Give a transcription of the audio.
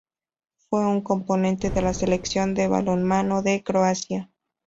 Fue un componente de la Selección de balonmano de Croacia.